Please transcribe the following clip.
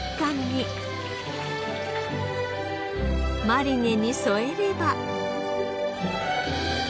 マリネに添えれば。